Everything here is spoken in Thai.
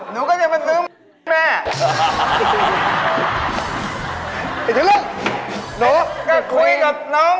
หนูก็จะมาซื้อหมูขา